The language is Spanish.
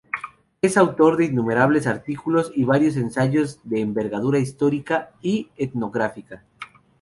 Es autor de innumerables artículos y varios ensayos de envergadura histórica y etnográfica.